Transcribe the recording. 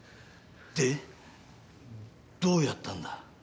でどうやったんだ？